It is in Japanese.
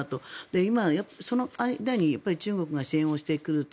今、その間に中国が支援をしてくると。